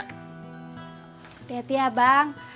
hati hati ya bang